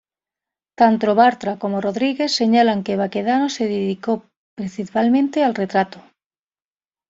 Tanto Bartra como Rodríguez señalan que Baquedano se dedicó principalmente al retrato.